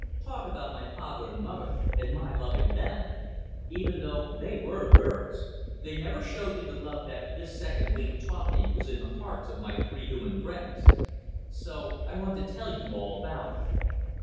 Talk about my father and mother, and my loving them! Even though they were birds, they never showed me the love that this second week taught me was in the hearts of my three human friends. So I want to tell you all about it.